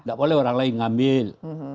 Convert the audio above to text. tidak boleh orang lain ngambil